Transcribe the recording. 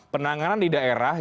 penanganan di daerah